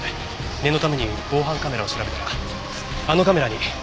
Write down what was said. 念のために防犯カメラを調べたらあのカメラにこんな映像が。